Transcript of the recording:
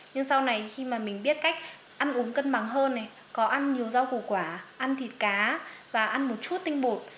nhưng sau này khi mà mình biết cách ăn uống cân bằng hơn này có ăn nhiều rau củ quả ăn thịt cá và ăn một chút tinh bột